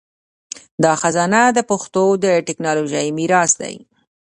دا خزانه د پښتو د ټکنالوژۍ میراث دی.